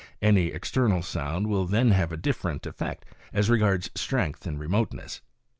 Any external sound will then have a different effect, as regards strength and remoteness.